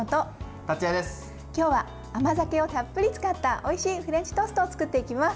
今日は甘酒をたっぷり使ったおいしいフレンチトーストを作っていきます。